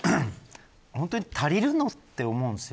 本当に足りるのって思うんですよ。